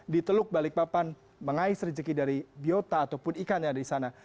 di teluk balikpapan mengais rejeki dari biota ataupun ikan yang ada di sana